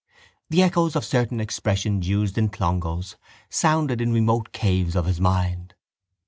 The echoes of certain expressions used in Clongowes sounded in remote caves of his mind.